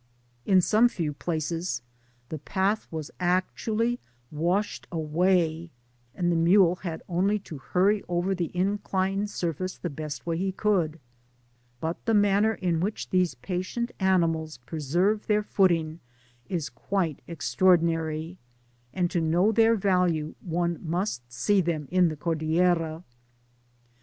In (some few places, the path was actually washed away, and the mule had only to hurry over the in clined surface the best way he could ; but the man ner in Mfhich these patient animals preserve their footing is quite extraordinary, and to know their y^Am one must see them in the Cordillera.